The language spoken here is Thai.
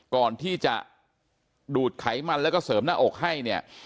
ก่อนที่จะดูดไขมันแล้วก็เสริมหน้าอกให้เนี่ย